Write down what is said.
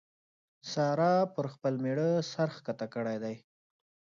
سارا پر خپل مېړه سر کښته کړی دی.